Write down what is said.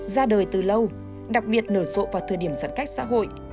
ra đời từ lâu đặc biệt nở rộ vào thời điểm giãn cách xã hội